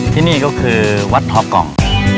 ที่นี่ก็คือวัดทอกล่อง